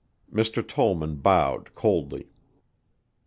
Mr. Tollman bowed coldly.